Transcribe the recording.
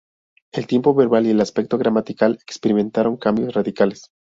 El tiempo verbal y el aspecto gramatical experimentaron cambios radicales.